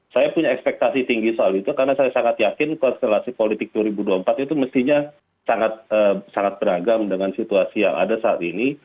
saya punya ekspektasi tinggi soal itu karena saya sangat yakin konstelasi politik dua ribu dua puluh empat itu mestinya sangat beragam dengan situasi yang ada saat ini